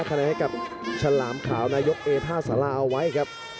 คะแนนให้กับฉลามขาวนายกเอท่าสาราเอาไว้ครับ